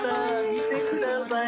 見てください